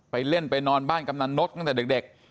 เล่นไปนอนบ้านกำนันนกตั้งแต่เด็ก